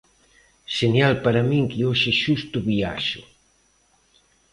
Xenial para min que hoxe xusto viaxo.